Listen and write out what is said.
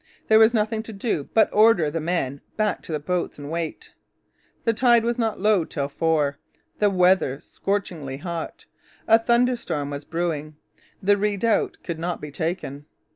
There was nothing to do but order the men back to the boats and wait. The tide was not low till four. The weather was scorchingly hot. A thunderstorm was brewing. The redoubt could not be taken.